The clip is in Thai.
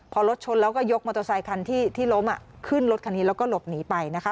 พอรถชนแล้วก็ยกมอเตอร์ไซคันที่ล้มขึ้นรถคันนี้แล้วก็หลบหนีไปนะคะ